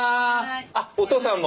あお父さんも。